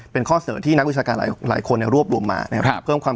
เป็นข้อเสนอที่นักวิชาการหลายหลายคนเนี่ยรวบรวมมานะครับครับเพิ่มความ